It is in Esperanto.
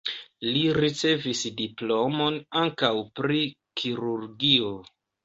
Li ricevis diplomon ankaŭ pri kirurgio.